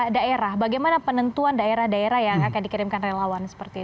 daerah bagaimana penentuan daerah daerah yang akan dikirimkan relawan seperti itu